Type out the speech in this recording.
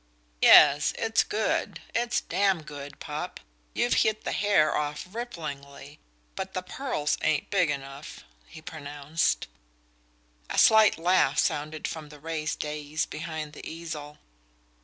"Yes, it's good it's damn good, Popp; you've hit the hair off ripplingly; but the pearls ain't big enough," he pronounced. A slight laugh sounded from the raised dais behind the easel.